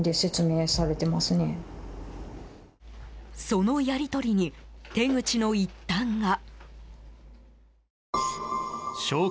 その、やり取りに手口の一端が。